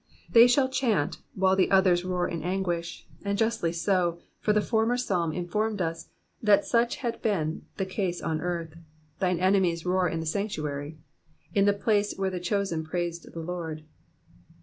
They shall chant while the others roar in anguish, and justly so, for the former Psalm informed us that such had been the c^se on earth, —thine enemies roar in the sanctuary," — the place where the chosen praised the Lord.